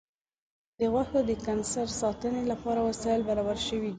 د غوښو د کنسرو ساتنې لپاره وسایل برابر شوي دي.